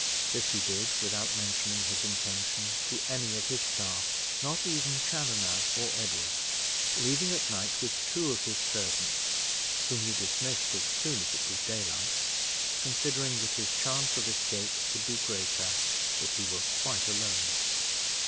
This he did without mentioning his intention to any of his staff, not even Chaloner or Edward leaving at night with two of his servants, whom he dismissed as soon as it was daylight, considering that his chance of escape would be greater if he were quite alone.